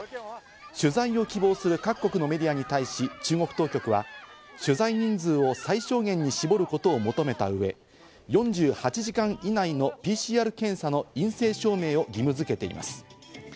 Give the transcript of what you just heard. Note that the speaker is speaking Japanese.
取材を希望する各国のメディアに対し、中国当局は、取材人数を最小限に絞ることを求めた上、４８時間以内のＰＣＲ検査の陰性証明を義務づけています。